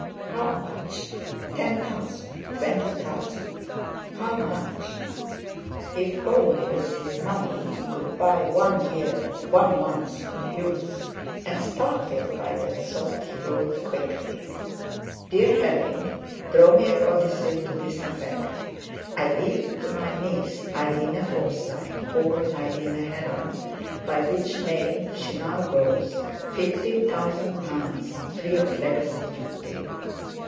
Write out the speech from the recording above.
"How much?" Ten thousand, twenty thousand—how much? If only with his money he could buy one year, one month of youth. And startled by that thought, he wrote quickly: "DEAR HERRING,—Draw me a codicil to this effect: "I leave to my niece Irene Forsyte, born Irene Heron, by which name she now goes, fifteen thousand pounds free of legacy duty."